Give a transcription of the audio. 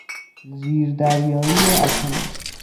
زیر دریایی اتمی